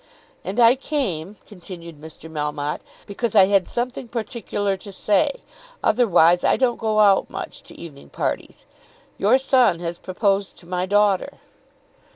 "And I came," continued Mr. Melmotte, "because I had something particular to say. Otherwise I don't go out much to evening parties. Your son has proposed to my daughter."